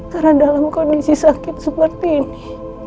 karena dalam kondisi sakit seperti ini